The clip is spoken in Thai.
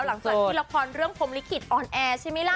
หลังจากที่ละครเรื่องพรมลิขิตออนแอร์ใช่ไหมล่ะ